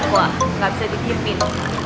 wah gak bisa dikipin